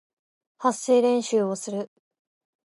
発声練習をする